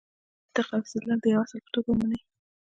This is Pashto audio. منطق او استدلال د یوه اصل په توګه مني.